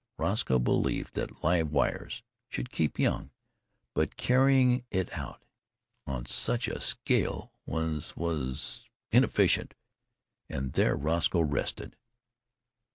Roscoe believed that "live wires" should keep young, but carrying it out on such a scale was was was inefficient. And there Roscoe rested.